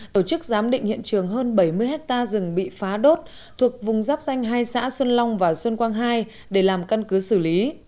tổ chức giám định hiện trường hơn bảy mươi hectare rừng bị phá đốt thuộc vùng giáp danh hai xã xuân long và xuân quang hai để làm căn cứ xử lý